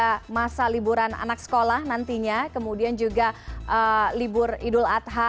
pada masa liburan anak sekolah nantinya kemudian juga libur idul adha